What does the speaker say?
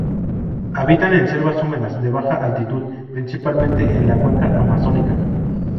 Habitan en selvas húmedas de baja altitud, principalmente en la cuenca amazónica.